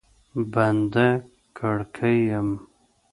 بنده کړکۍ یم